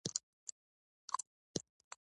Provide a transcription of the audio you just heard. هغه د خلکو تر منځ مینه او همکاري ولیده.